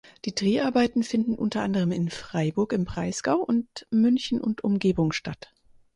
Die Dreharbeiten finden unter anderem in Freiburg im Breisgau und München und Umgebung statt.